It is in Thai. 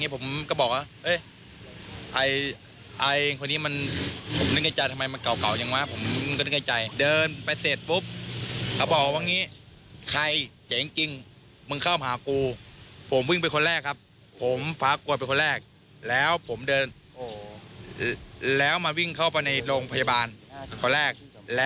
ผมฟ้ากลัวเป็นคนแรกแล้วผมเดินแล้วมาวิ่งเข้าไปในโรงพยาบาลคนแรก